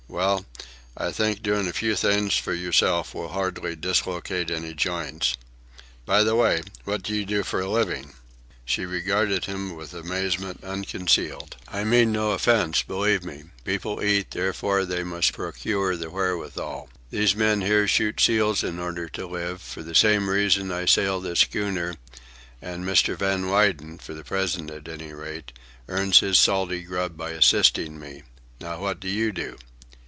Well, I think doing a few things for yourself will hardly dislocate any joints. By the way, what do you do for a living?" She regarded him with amazement unconcealed. "I mean no offence, believe me. People eat, therefore they must procure the wherewithal. These men here shoot seals in order to live; for the same reason I sail this schooner; and Mr. Van Weyden, for the present at any rate, earns his salty grub by assisting me. Now what do you do?"